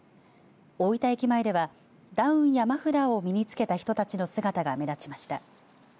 大分駅前ではダウンやマフラーを身につけた人たちの姿が目立ちました。